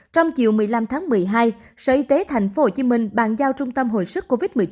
trong chiều một mươi năm tháng một mươi hai sở y tế tp hcm bàn giao trung tâm hồi sức covid một mươi chín